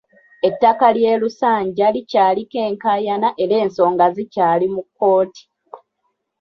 Ettaka ly’e Lusanja likyaliko enkayaana era ensonga zikyali mu kkooti.